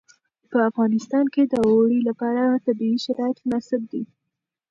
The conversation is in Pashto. په افغانستان کې د اوړي لپاره طبیعي شرایط مناسب دي.